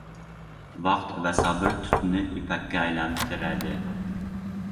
• Vaqt va sabr tutni ipakka aylantiradi.